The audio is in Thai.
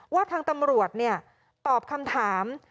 ว่าทางตำรวจตอบคำถาม